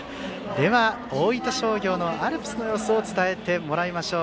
では大分商業のアルプスの様子を伝えてもらいましょう。